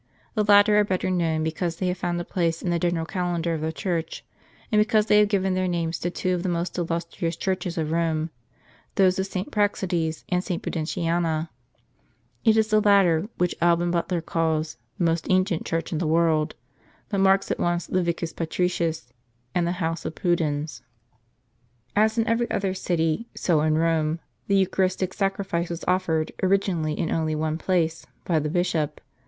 The latter are better known, because they have found a place in the general calendar of the Church, and because they have given their names to two of the most illus trious churches of Rome, those of St. Praxedes and St. Pu dentiana. It is the latter, which Alban Butler calls "the * 2 Tim. iv. 21. t A second or younger Pudens is spoken of. \ most ancient church in the world," * that marks at once the Vicus Patricius, and the house of Pudens. As in every other city, so in Rome, the eucharistic sacri fice was offered originally in only one place, by the bishop.